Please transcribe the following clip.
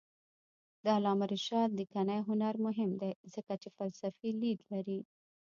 د علامه رشاد لیکنی هنر مهم دی ځکه چې فلسفي لید لري.